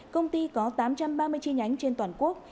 công ty có tám trăm ba mươi chi nhánh trên toàn quốc